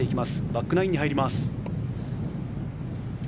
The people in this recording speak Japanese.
バックナインに入ります。